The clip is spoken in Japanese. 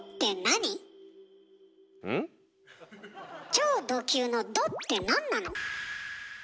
超ド級の「ド」ってなんなの？